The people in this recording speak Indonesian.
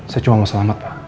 saya cuma mau selamat lah